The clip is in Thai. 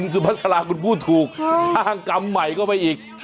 ใช่ทุศพัฒลาครูพูดถูกสร้างกรรมใหม่เข้าไปอีก